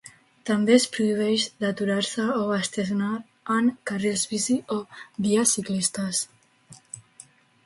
També es prohibeix d’aturar-se o estacionar en carrils bici o vies ciclistes.